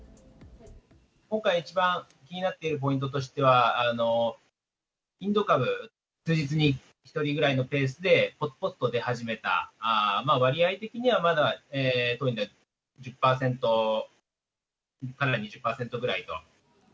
今回、一番気になっているポイントとしては、インド株、数日に１人ぐらいのペースで、ぽつぽつと出始めた、割合的には、まだ１０％から２０％ぐらいと。